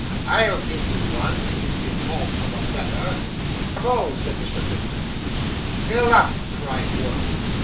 I'll give you one, in default of a better.' 'Bravo!' said Mr. Pickwick. 'Fill up,' cried Wardle.